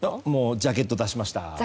ジャケットを出しました。